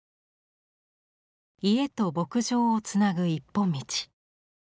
家と牧場をつなぐ一本道。